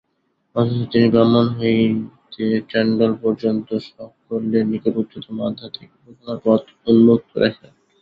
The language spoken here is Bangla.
অথচ তিনি ব্রাহ্মণ হইতে চণ্ডাল পর্যন্ত সকলের নিকট উচ্চতম আধ্যাত্মিক উপাসনার পথ উন্মুক্ত রাখিলেন।